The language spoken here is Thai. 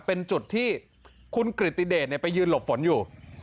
เป็นจุดที่คุณกริติเดชไปยืนหลบฝนอยู่